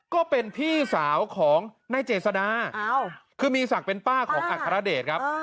ก็เป็นพี่สาวของนายเจษดาคือมีศักดิ์เป็นป้าของอัครเดชครับ